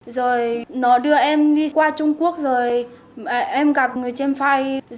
rồi nó đưa em đi qua trung quốc rồi em gặp người trên file